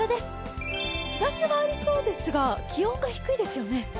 日ざしはありそうですが、気温が低いですよね。